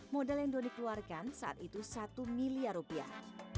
modal yang doni keluarkan saat itu satu miliar rupiah